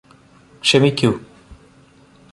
ക്ഷമിക്കൂ